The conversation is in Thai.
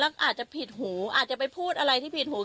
แล้วก็อาจจะผิดหูอาจจะไปพูดอะไรที่ผิดหู